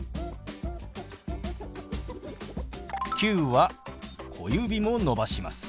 「９」は小指も伸ばします。